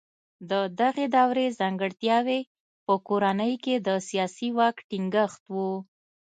د دغې دورې ځانګړتیاوې په کورنۍ کې د سیاسي واک ټینګښت و.